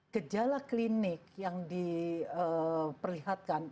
gejala klinik yang diperlihatkan